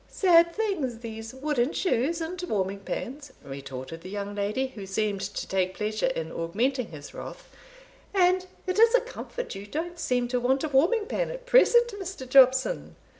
"Sad things, these wooden shoes and warming pans," retorted the young lady, who seemed to take pleasure in augmenting his wrath; "and it is a comfort you don't seem to want a warming pan at present, Mr. Jobson.